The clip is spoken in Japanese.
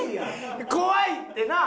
怖いって！なあ？